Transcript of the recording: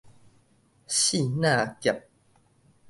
爍爁俠